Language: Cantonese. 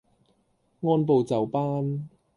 按部就班